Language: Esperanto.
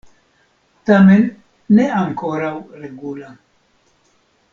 Tamen ne ankoraŭ regula.